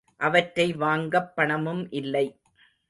அவற்றை வாங்கப் பணமும் இல்லை.